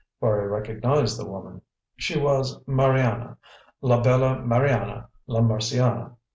For I recognised the woman; she was Mariana la bella Mariana la Mursiana.